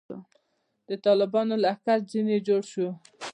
د طالبانو لښکر ځنې جوړ شو.